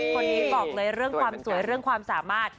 คนนี้บอกเลยเรื่องความสวยเรื่องความสามารถ